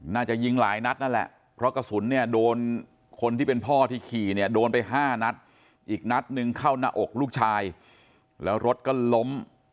น่าจะยิงหลายนัดนั่นแหละเพราะกระสุนเนี่ยโดนคนที่เป็นพ่อที่ขี่เนี่ยโดนไป๕นัดอีกนัดหนึ่งเข้าหน้าอกลูกชายแล้วรถก็ล้ม